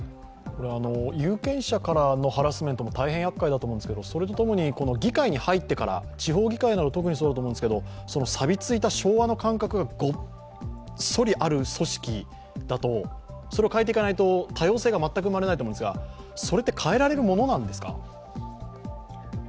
有権者からのハラスメントも大変やっかいだと思うんですけどそれとともに議会に入ってから地方議会など特にそうだと思うんですけど、さびついた昭和の感覚がごっそりある組織だとそれを変えていかないと多様性が全く生まれないと思うんですがそれって変えられるものなんですか？